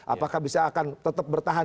apakah bisa akan tetap bertahan